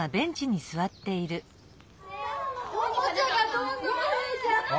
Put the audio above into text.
・おもちゃがどんどん増えちゃって！